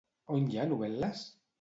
On hi ha novel·les?